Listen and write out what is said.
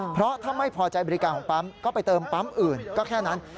เพราะถ้าไม่พอใจบริการของปั๊มก็ไปเติมปั๊มอื่นก็แค่นั้น